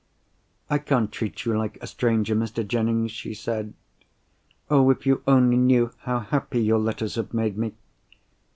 "I can't treat you like a stranger, Mr. Jennings," she said. "Oh, if you only knew how happy your letters have made me!"